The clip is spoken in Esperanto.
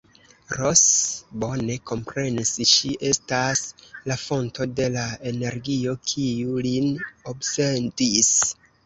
Ros bone komprenis, ŝi estas la fonto de la energio, kiu lin obsedis.